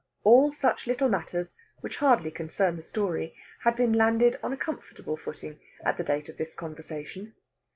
All such little matters, which hardly concern the story, had been landed on a comfortable footing at the date of this conversation.